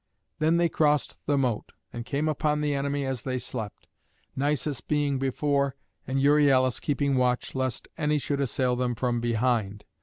Then they crossed the moat, and came upon the enemy as they slept, Nisus being before, and Euryalus keeping watch lest any should assail them from behind.